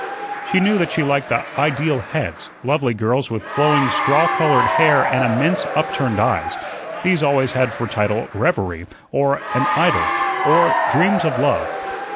She knew that she liked the "Ideal Heads," lovely girls with flowing straw colored hair and immense, upturned eyes. These always had for title, "Reverie," or "An Idyll," or "Dreams of Love."